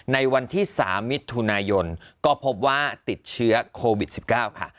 ในวันที่๓มิถุนายนก็พบว่าติดเชื้อโควิด๑๙ค่ะ